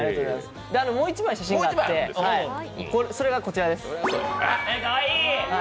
もう１枚写真があって、こちらです。